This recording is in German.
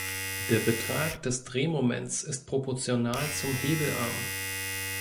Der Betrag des Drehmoments ist proportional zum Hebelarm.